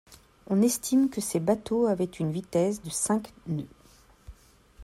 On estime que ces bateaux avaient une vitesse de cinq nœuds.